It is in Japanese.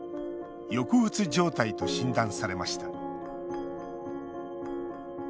抑うつ状態と診断されました。